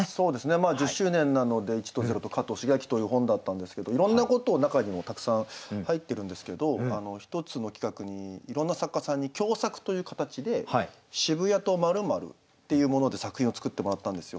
まあ１０周年なので「１と０と加藤シゲアキ」という本だったんですけどいろんなこと中にもたくさん入ってるんですけど一つの企画にいろんな作家さんに共作という形で「渋谷と○○」っていうもので作品を作ってもらったんですよ。